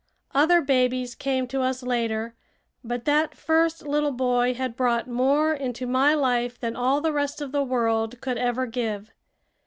Other babies came to us later, but that first little boy had brought more into my life than all the rest of the world could ever give.